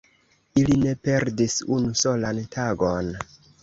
li ne perdis unu solan tagon!